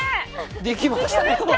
できました！